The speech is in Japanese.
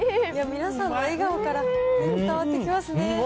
皆さんの笑顔から伝わってきますね。